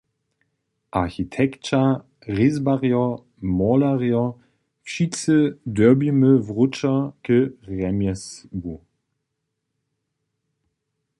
Architekća, rězbarjo, molerjo, wšitcy dyrbimy wróćo k rjemjesłu!